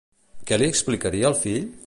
Què li explicava el fill?